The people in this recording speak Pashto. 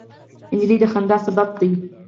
نجلۍ د خندا سبب ده.